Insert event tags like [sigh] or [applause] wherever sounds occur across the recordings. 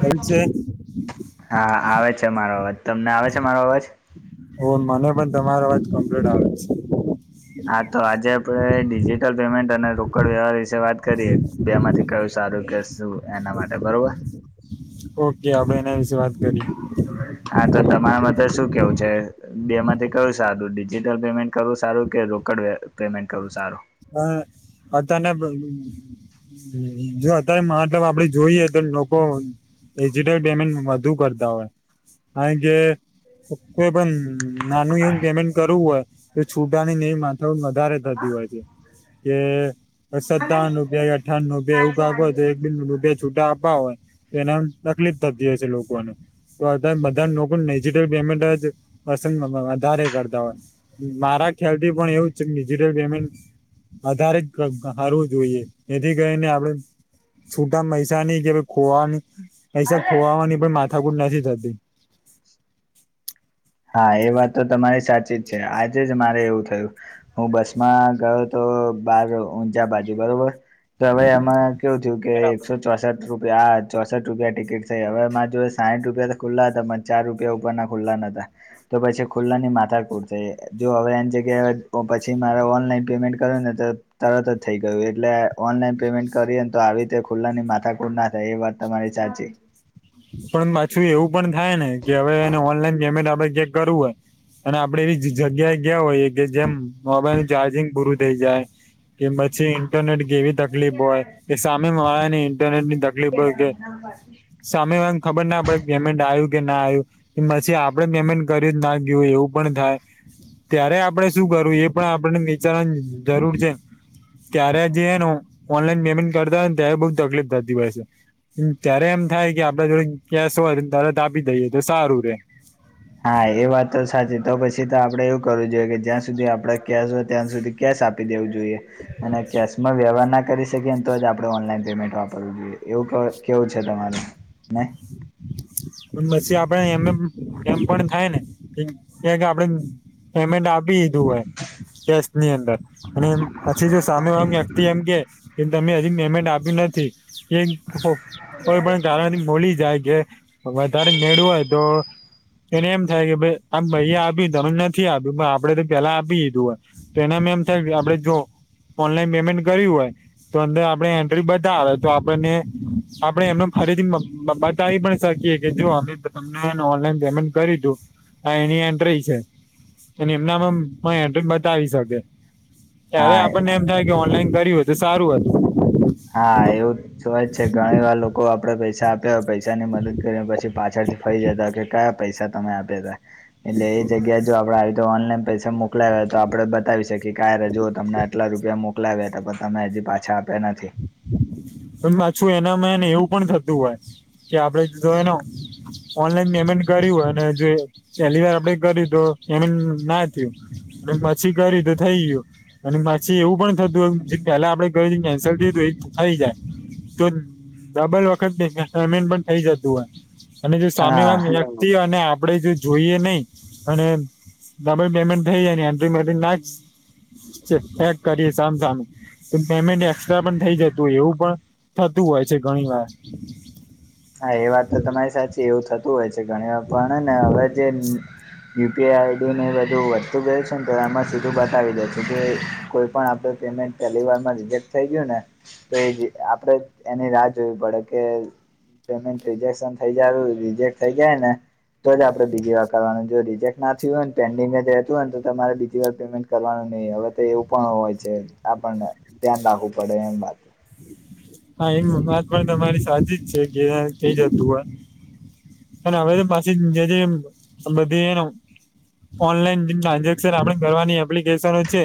હલ છે. હા આવે છે મારો અવાજ તમને આવે છે મારો અવાજ? ઓ મને પણ તમારા અવાજ કમ્પ્લીટ આવે છે. હા તો આજે આપડે ડિજિટલ પેમેન્ટ અને રોકડ વ્યવહાર વિશે વાત કરી એક બેમાંથી કયું સારું કે શું એના માટે બરોબર. ઓકે આપડે એના વિશે વાત કરી. હા તો તમારા માટે તો શું કેવું છે? બેમાંથી કરવું સારું ડિજિટલ પેમેન્ટ કરવું સારું કે રોકડ પેમેન્ટ કરવું સારું? હ, અ તને જો અત્યારે માતલબ આપડે જોઈએ તો લોકો ડિજિટલ પેમેન્ટ વધુ કરતા હોય, કારણ કે કોઈ પણ નાનું એવું પેમેન્ટ કરવું હોય. તો છૂટાની ની ને એવી માથાકૂટ વધારે થતી હોય. કે સત્તાવન રપિયા અઠ્ઠાવન એવું કા હત. બે રૂપિયા છૂટા આપવા હોય, તો એના તકલીફ થતી હોય છે લોકોને. તો અત્યારેટ બધા ને લોકોને ડિજટલ પેમેન્ટ જ, પસંદ વધારે કરતા હોય. મારા ખ્યાલ થી પણ એવું જ છે કે ડિજિટલ પેમેન્ટ વધધારે જ કરતા હારુ જોઈયે, જેથી કરીઈને આપડ છૂટા મહેસા ની કે ભ ખોવાની મહેસા ખોવાની પણ માથાકૂટ નથી થતી. હા એ વાત તો તમારી સાચી જ છે આજે જ મારે એવું થયું. હું બસ માં ગયો તો બાર ઊંઝા બાજુ બરોબર. તો હવે એમાં કેવું થયું કે એકસો ચોસઠ રૂપિયા આ ચોસઠ રૂપિયા ટિકિટ થઈ હવેમાં જો સાઠ રૂપિયા ખુલ્લા હતા ચાર રૂપિયા ઉપરના ખુલ્લા ન હતા. તો પછી ખુલ્લાની માથા કૂટ થઈ જો હવે આની જગ્યાએ પછી મારે ઓનલાઈન પેમેન્ટ કર ને તો તરત જ થઈ ગયું એટલે ઓનલાઈન પેમેન્ટ કરીએને તો આવી રીતે ખુલ્લાની માથાકૂટ ના થાય એ વાત તમારી સાચી. પણ પાછું એવું પણ થાય ને કે હવે એને ઓનલાઈન પેમેન્ટ આપડે ચેક કરવું હોય. અને આપડે એવી જગ્યાએ ગયા હોઈએ કે જેમ મોબાઈલ ન ચાર્જિંગ પૂરું થઈ જાય. કે પછી ઇન્ટરનેટ કેવી તકલીફ હોય, કે સામે વાળા ની ઇન્ટરનેટ ની તકલીફ હોય કે [unintelligible] સામે વાળા ને ખબર ના પડે પેમેન્ટ આવ્યું કે ના આવ્યું. કે પછી આપડે પેમેન્ટ કર્યું જ ના ગયું એવું પણ થાય. ત્યારે આપણે શું કરવું એ પણ આપણે વિચારવાની જરૂર છે, ત્યારે જે એનું ઓનલાઈન પેમેન્ટ કરતા હોય ને ત્યારે બહુ તકલીફ થતી હોય છે, ત્યારે એમ થાય કે આપડે જોડે કેસ હોય તરત આપી દઈએ તો સારું રે. હા એ વાત તો સાચી તો પછી તો આપડે એવું કરવું જોઈએ કે જ્યાં સુધી આપડા કેસ હો ત્યાં સુધી કેશ આપી દેવું જોઈએ, અને કેશમાં વ્યવહાર ના કરી કે તો જ આપણે ઓનલાઈન પેમેન્ટ વાપરવું જોઈએ એવું કેવું છે તમારું ને? પણ પછી આપડ એમ એમ પણ થાય ને, કે આપડે પેમેન્ટ આપી દીધું હોય, કેસની અંદર. અને પછી જો સામે વાળા વ્યક્તિ એમ કે, એમ તમે હજી પેમેન્ટ આપ્યું નથી. એ કોઈ પણ કારણ થી ભૂલી જાય કે વધારે મેળવું હોય તો એને એમ થાય કે ભાઈ આમ ભાઈયા આપ્યું તમે નથી આપ્યું આપડે તો પેલા આપી દીધું હોય. તો એનામાં એમ થાય આપડે જો ઓનલાઈન પેમેન્ટ કર્યું હોય તો અંદર આપણે એન્ટ્રી બતાવે તો આપડને આપણે એમને ફરીથી બતાવી પડે શકીએ કે જો અમે તમને ઓનલાઈન પેમેન્ટ કરી દીધું આ એની એન્ટ્રી છે એ એમનામાંમ એ એન્ટ્રી બતાવી શકે હા ત્યારે આપણને એમ થાય કે ઓનલાઈન કર્યું હોત તો સારું હતું હા એવું તોય જ છે ઘણી વાર લોકો આપડે પૈસા આપ્યા હોય પૈસાની મદદ કર્યાં પછી પાછળથી ફરી જતા કે કયા પૈસા તમે આપ્યા હતા એટલે એ જગ્યા જો આપડે આવી તો ઓનલાઈન પૈસા મોકલા હોય તો આપડે બતાવી શકીએ કે આ રયા જોવો તમને એટલા રૂપિયા મોકલા્યા હતા પણ તમે હજી પાછા આપ્યા નથી પણ પાછું એનામાં એને એવું પણ થતું હોય કે આપડે જો એનો ઓનલાઈન પેમેન્ટ કર્યું હોય અને જો પહેલી વાર આપડે કર્યું તો પેમેન્ટ ના થયું અને પછી કરી તો થઈ ગયું અને પછી એવું પણ થતું પેલા આપણે કેન્સલ થય હતું એ થઈ જાય તો ડબલ વખત પેમેન્ટ પણ થઈ જતું હોય અને જો સામે હા વાળા વ્યક્તિ અને આપડે જે જોઈએ નહી અને ડબલ પેમેન્ટ થઈ જાય એન્ટ્રી મેટ નાખ એક કરીએ સામ સામે, તો પેમેન્ટ એસ્ટ્રા પણ થઈ જતું હોય એવું પણ થતું હોય છે, ઘણી વાર હા એ વાત તો તમારી સાચી એવું થતું હોય છે, ઘણી પણ ને હવે જે કે આઈડીને બધું વધતું ગયું છે, ને તો એમાં સીધું બતાવી દેજું કે કોઈપણ આપણે પેમેન્ટ. પહેલી વારમાં રિજેક્ટ થઈ ગયું ને તો એ આપડે એની રાહ જોવી પડે કે, પેમેન્ટ રિજેક્શન થઇ જાય રિજેક્ટ થઇ જાય ને, તો જ આપણે બીજી વાર કરવાનું જો રિજેક્ટ ના થય હોયને પેન્ડિંગ જ રહેતું હોય તો તમારે બીજી વાર પેમેન્ટ, કરવાનું નહી હવે તો એવું પણ હોય છે, આપણને ધ્યાન રાખવું પડે એમ વાત. હા એમ વાત પણ તમારી સાચી જ છે, કે થઈ જતું હોય. એ પછી જે જે બંધી ઓનલાઈન જે ટ્રાન્ઝેક્શન આપણે કરવાની એપ્લિકેશનો છે,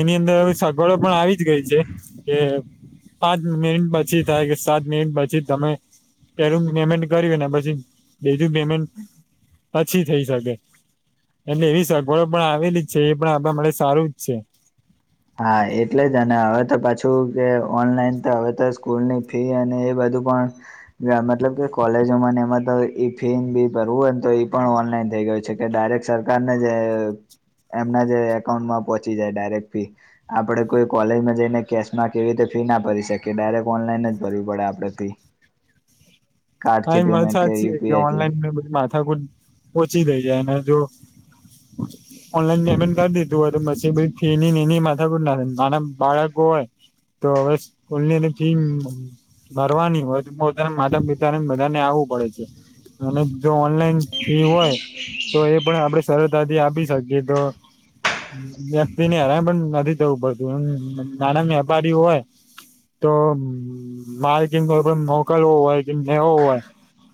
એની અંદર સગવડો પણ આવી જ ગઈ છે, કે પાંચ મિનિટ પછી થાય કે સાત મિનિટ પછી તમે, પેલું પેમેન્ટ કર્યું ને પછી બીજું પેમેન્ટ પછી થઈ શકે, એટલે એવી સગવડો પણ આવેલી જ છે, એ પણ આપવા માટે સારું જ છે. હા એટલે જ અને હવે તો પાછું કે ઓનલાઈન તો હવે તો સ્કૂલની ફી અને એ બધું પણ, મતલબ કે કોલેજોમાંને એમાં તો ફી ભી ભરવું હોય ને તો એ પણ ઓનલાઈન થઈ ગયું છે, કે ડાયરેક્ટ સરકારને જે એમના જે એકાઉન્ટમાં પહોંચી જાય ડાયરેક્ટ ફી, આપણે કોઈ કોલેજમાં જઈને કેશમાં કેવી રીતે ફી ના ભરી શકીએ ડાયરેક્ટ ઓનલાઈન જ ભરવી પડે આપણે ફી, [inaudible] હા એત પેમેન્ટ સાચી હે કે યુપીઆઈ થી ઓનલાઈની માથાકુટ પહોંચી દઈ જાય જો, [inaudible] ઓનલાઈન પેમેન્ટ કરી દીધું હોય તો પછી ફી ની એની માથાના નાના બાળકો હોય, તો હવે સ્કૂલનીની ફી ભરવાની હોય વધારે માધ બધાને આવવું પડે છે અને જો ઓનલાઈન ફી હોય, તો એ પણ આપડે સરળતાથી આપી શકીએ તો વ્યક્તિને હેરાન પણ નથી જવું પડતું એમ નાના વેપારી હોય, તો માર્કિંગ પણ મોકલવો હોય કે નવો હોય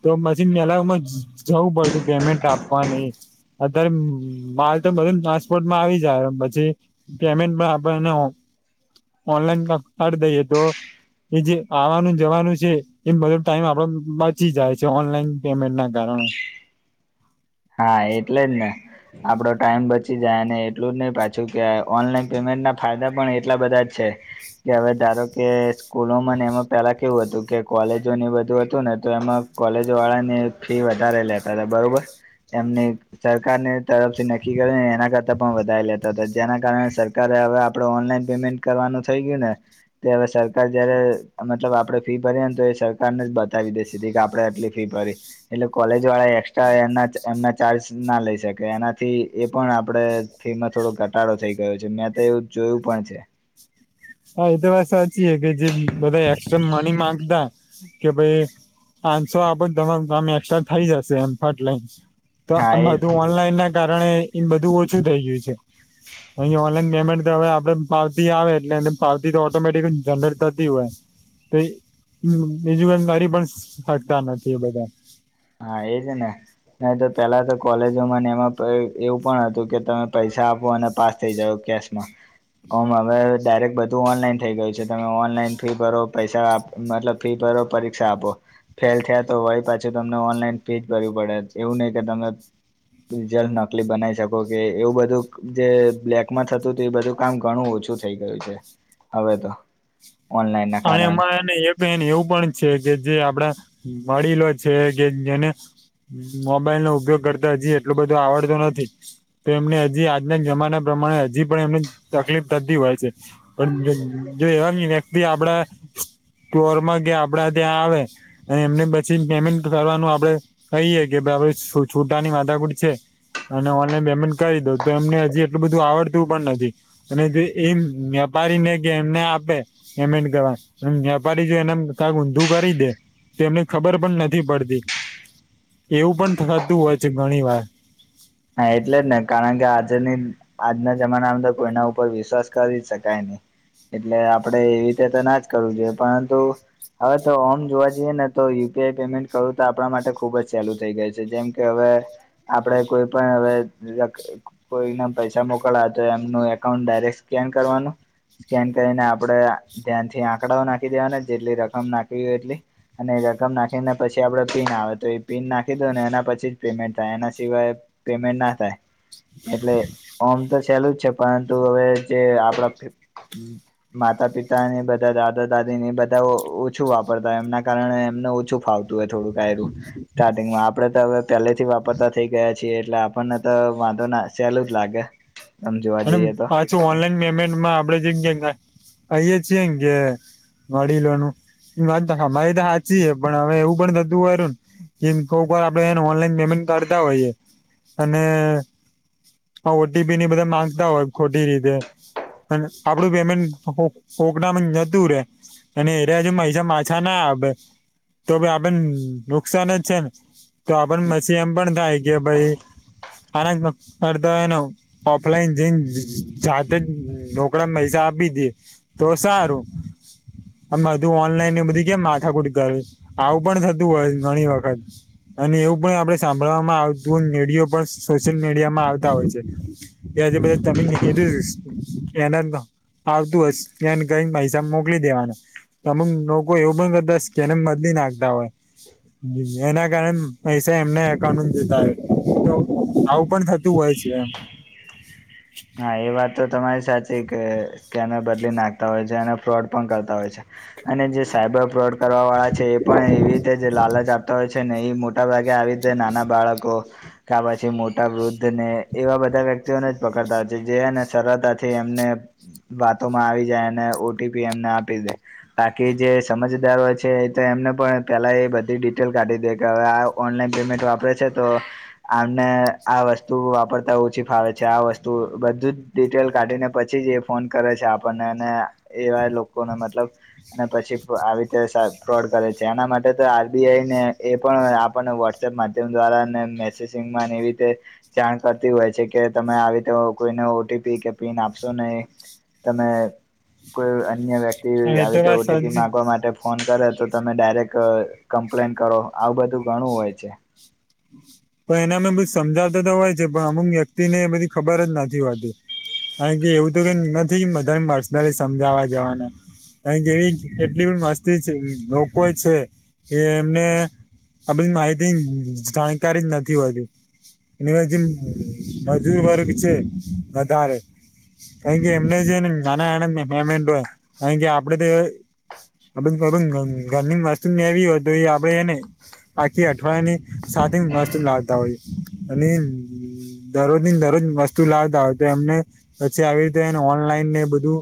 તો મશીનનેલામાં જવું પડતું પેમેન્ટ આપવાની, અત્યારે, માલ તો બધું ટ્રાન્સપોર્ટમાં આવી જાય. પછી પેમેન્ટમાં આપણને હો ઓનલાઈન કા કાઢ દઈએ, તો એ જે આવાનું જવાનું છે એ બ- ટાઈમ આપડો બચી જાય છે, ઓનલાઈન પેમેન્ટના કારણે, હા એટલે જ ને. આપડો ટાઈમ બચી જાય. અને એટલું જ નહીં, પાછું કે ઓનલાઈન પેમેન્ટના ફાયદા પણ એટલા બધા જ છે. કે હવે, ધારો કે સ્કૂલોમાંને એમાં પેલા કેવું હતું કે, કોલેજોને બધું હતું ને તો એમાં કોલેજ વાળાને ફી વધારે લેતા હતા, બરોબર? એમને સરકારને તરફથી નક્કી કરેને એના કરતા પણ વધારે લેતા હતા. જેના કારણે સ રકારે હવે આપડે ઓનલાઈન પેમેન્ટ કરવાનું થઈ ગ્યું ને તે હવે સરકાર જયારે, મતલબ આપડે ફી ભરીએ ને, તો એ સરકારને જ બતાવી દેશે, કે આપડે એટલી ફી ભરી. એટલે કોલેજ વાળા એક્સ્ટ્રા એમના એમના ચાર્જ ના લઈ શકે, એનાથી એ પણ આપણે ફીમાં થોડો ઘટાડો થઈ ગયો છે. મેં તો એવું જોયું પણ છે. હા, એ તો વાત સાચી છે, કે જે બધા એક્સ્ટ્રા મની માંગતા કે ભઈ, પાંનસો આપો ત તમારું કામ એકસ્ટ્રા થઈ જશે એમ, ફટ લઈન. તો હા આ એજ બધું, ઓનલાઈનના કારણે, એ બધું ઓછું થઈ ગ્યું છે. અહીં, ઓનલાઈન પેમેન્ટ તો હવે, આપડે પાવતી આવે એટલે એને પાવતી તો ઓટોમેટિક જ જનરેટ કરતી હોય. તો બીજું પણ કાઢી પન શકતા નથી એ બધા. હા એજ ને નેતો પેલા તો કોલેજોમાં ને એમાં પ એવું પણ હતું કે તમે પૈસા આપો અને પાસ થઈ જાવ કેશમાં. ઓમ હવે ડાયરેક્ટ બધું ઓનલાઈન થઇ ગયું છે. તમે ઓનલાઈન ફી ભરો પૈસા આપ મતલબ ફી ભરો પરીક્ષા આપો. ફેલ થયા તો વળી પાછુ તમને ઓનલાઈન ફી જ ભરવી પડે. એવું નઈ કે તમે રીઝલ્ટ નકલી બનાઈ શકો, કે એવુ બધુક જે બ્લેકમાં થતુ તુ એ બધુ કામ ઘણુ ઓછુ થઈ ગયુ છે હવે તો. ઓનલાઈન ના અને કારણે એમાં એને એક [unintelligible] એવું પણ છે, કે જે આપડા વડીલો છે કે જેને મોબાઈલનો ઉપયોગ કરતા હજી એટલો બધો આવડતો નથી. તો એમને હજી, આજના જમાના પ્રમાણે હજી પણ એમને, તકલીફ થતી હોય છે. પણ જ જો એવાની વ્યક્તિ આપડા કોરમાં કે આપડા ત્યાં આવે અને એમને પછી પેમેન્ટ કરવાનું આપડે કહીએે, કે ભઈ આપડે છૂટાની માથાકૂટ છે અને ઓનલાઈન પેમેન્ટ કરી દો. તો એમને હજી એટલું બધું આવડતું પણ નથી. અને જે એ વ્યાપારીને કે એમને આપે પેમેન્ટ કરવા, વ્યાપારી જો એને એમ કાંક ઊંધું કરી દે તેમને ખબર પણ નથી પડતી. એવું પણ થતું હોય છે ઘણી વાર. હા, એટલે જ ને. કારણ કે આજે નહીં ન આજના જમાનામાંં તો કોઈના ઉપર વિશ્વાસ કરી જ શકાય નહીં. એટલે, આપડે એવી રીતે તો ના જ કરવું જોઈએ. પરંતુ હવે તો ઓમ જોવા જઈએ ને, તો યુપીઆઈ પેમેન્ટ કરવું તો આપણા માટે ખૂબ જ સહેલું થઈ ગયું છે. જેમ કે હવે આપડે કોઈ પણ હવે વ્યક્ કોઈ ના પૈસા મોકલવા હોય, તો એમનું એકાઉન્ટ ડાયરેક્ટ સ્કેન કરવાનું. સ્કેન કરીને આપડે ધ્યાનથી આંકડાઓ નાખી દેવાના, જેટલી રકમ નાખવી હોય એટલી. અને રકમ નાખીને પછી આપડો પિન આવે તો એ પિન નાખી દો ને એના પછી જ પેમેન્ટ થાય એના સિવાય પેમેન્ટ ના થાય. એટલે ઓમ તો સેલુ જ છે પરંતુ હવે જે આપડા માતા પિતા ને બધા દાદા દાદી ને બધા ઓછું વાપરતા એમના કારણે એમને ઓછું ફાવ થોડુકાયરું સ્ટાર્ટિંગમાં, આપડે તો અવે પેલેથી વાપરતા થઈ ગયા. છી, એટલે આપણને તો વાંધો ના સેલુજ લાગે. આમ જોવા અને જઈએ તો પાછું ઓનલાઈન પેમેન્ટમાં આપડે જે આઈએ છીએમ કે. વડીલોનુ, મારી તો હાચી પણ હવે એવું પણ થતું હોરું ન જે મિકો ઉપર આપડે એને ઓનલાઈન પેમેન્ટ કરતા હોઈએ, અને હા ઓ ટી પી ને બધા માંગતા હોય ખોટી રીતે. આપડું પેમેન્ટ ઓકળ નતું રે. અને એરે પાછા ના આવેે તો આપે નુકસાન જ છે ને. તો આપણ મછી એમ પણ થાય કે ભઈ હાલતમાં અર્ધોએનો ઓફલાઈન જાતે જ રોકડામાં પૈસા આપી દીયે, તો સારું. આ બધું ઓનલાઈન એ બધું કેમ માથાકુટ કરવી, આવું પણ થતું હોય ઘણી વખત. અને એવું પણ આપે સાંભળવામાં આવતું રડિયો પણ સોશિયલ મીડિયા માં આવતા હોય છે. એ આજે બધે [unintelligible] આવતું હશ ધ્યાન કરીને પૈસા મોકલી દેવાના. અમુક લોકો એવું પણ કરતા સ્કેનર બદલી નાખતા હોય. એના કારણે પૈસા એમને એકાઉન્ટ જતા હોય, તો આવું પણ થ હોય છે એમ. હા, એ વાત તો તમારી સાચી કે સ્કેનર બદલી નાખતા હોય છે અને ફ્રોડ પણ કરતા હોય છે. અને જે સાયબર ફ્રોડ કરવાવાળા છે એ પણ એવી રીતે જે લાલચ આપતા હોય છે ને એ મો મોટા ભાગે આવીતે નાના બાળકો, કા પછી મોટા વૃદ્ધ ને એવા બધા વ્યક્તિઓને પ કરતા જેને સરળતાથી એમને વાતોમાં આવી જાય અને ઓ ટી પી એમને આપી દે. બાકી જે સમજદારો છે એ તો એમને પણ પેલા એ બધી ડિટેલ કાઢી દે કે હવે આ ઓનલાઈન પેમેન્ટ વાપરે છે તો, આમને આ વસ્તુ વાપરતા ઓછી ફાવે છે આ વસ્તુ ત બધું જ ડિટેલ કાઢીને પછી જ એ ફોન કરે છે, આપણને એને એવા લોકોને મતલબ અને પછી આવી રીતે ફ્રોડ કરે છે એના માટે તો આરબીઆઈને એ પણ આપણને વ માધ્યમ દ્વારા અને મેસેજિંગ એ રીતે, જાણ કરતી હોય છે કે તમે આવી કોઈને ઓ ટી પી કે પિન આપશો નહી, તમે કોઈ અન્ય વ હા એ આવી તો વાત ઓ ટપી સાચી મા મા માટે ફોન કરે તો તમે ડાયરેક્ટ કમ્પ્લેન કરો આવું બધું ઘણું હોય છે. પણ એના અમે બધ સમજાવતા તો હોય છે, પણ અમુક વ્યક્તિને બધી ખબર જ નથી હોતી. કાર કે એવું તો કઈ નથી બધા પર્સનલી સમજાવા જવાને. કારણ કે એવી કેટલી પણ મસ્તી છે, લોકો છે કે એમને આ બધી માહિતી જાણકારી જ નથી હોતી. એ જે મજૂરી વર્ગ છે, વધારે. ક કે એમને છે નાના એ હમે, કે આપડે તો ખ ઘર ની વસ્તુ ને આવી હોય તો એ આપડે એને આખી અઠવાડિયા, ની સાથે મસ્ત લાગતા હોય, અને દરરોજ ને દરરોજ વસ્તુ લાવતા હોય તો એમને પછી આવી રીતે એને ઓનલાઈન ને બધું.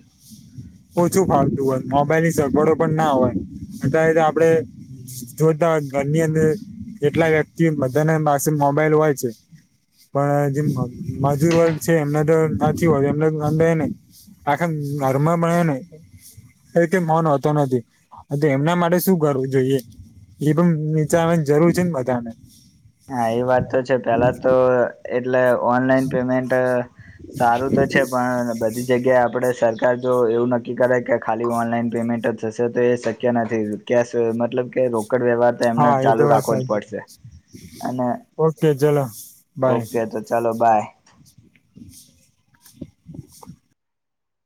ઓછું ફાલતું હોય મોબાઈલની સગવડો પણ ના હોય, અટ્યારે આપડે જોતા ઘરની અંદર કેટલા વ્યક્તિ બધાના પાસે મોબાઈલ હોય છે. પણ જે મજૂર વર્ગ છે એમને તો ના હોય એમને તો નાંદાય નહી. આખા ઘરમાં બ્યા નહી. ક કે મન હોતો નથી, એમના માટે શું કરવું જોઈએ? એ પણ નીચા આવેવા ને જરૂર છે ને બધા ને. હા એ વાત તો છે પેલા તો એટલે ઓનલાઈન પેમેન્ટ, સારું તો છે પણ બધી જગ્યાએ આપણેે સર સર જો એવું નક્કી કરે કે ખાલી ઓનલાઈન પેમેન્ટ જ થશે તો એ શક્ય નથી. કેશ મતલબ કે રોકડ વ્યવહાર તો એમને હા એ તો ચાલુ વાત રાખવો જ સાચી પડશે. અને, ઓકે ચલો બાય ઓકે તો ચાલો બાય. [inaudible]